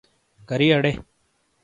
کَرِی اڑے۔